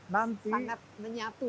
jadi sangat menyatu